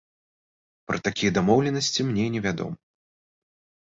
Пра такія дамоўленасці мне невядома.